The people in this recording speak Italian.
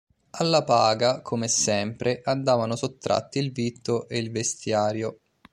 Alla paga, come sempre, andavano sottratti il vitto e il vestiario.